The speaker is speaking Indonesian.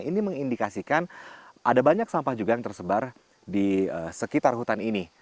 ini mengindikasikan ada banyak sampah juga yang tersebar di sekitar hutan ini